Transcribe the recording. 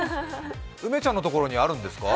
梅ちゃんのところにあるんですか？